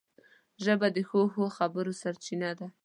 ژبه د ښو ښو خبرو سرچینه ده